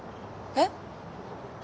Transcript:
えっ？